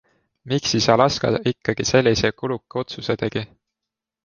Miks siis Alaska ikkagi sellise kuluka otsuse tegi?